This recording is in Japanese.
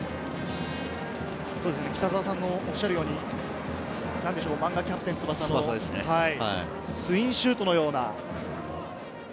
北澤さんのおっしゃる通り、マンガ『キャプテン翼』のツインシュートのような。